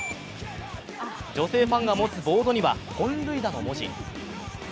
女性ファンが持つボードには「本塁打」の文字。